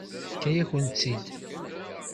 Tefka-yakent-tt-id.